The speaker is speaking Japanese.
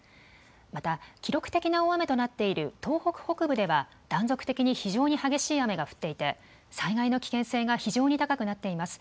また、記録的な大雨となっている東北北部では断続的に非常に激しい雨が降っていて災害の危険性が非常に高くなっています。